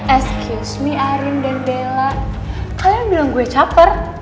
excuse me arin dan bella kalian bilang gue caper